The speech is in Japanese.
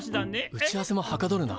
打ち合わせもはかどるな。